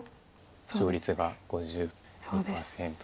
勝率が５２％。